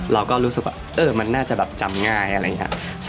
เราก็รู้สึกว่ามันน่าจะแบบจำง่ายอะไรอย่างนี้